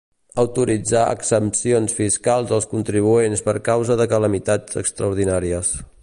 Autoritzar exempcions fiscals als contribuents per causa de calamitats extraordinàries.